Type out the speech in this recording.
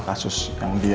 kasus yang dia